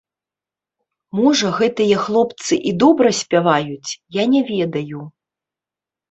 Можа гэтыя хлопцы і добра спяваюць, я не ведаю.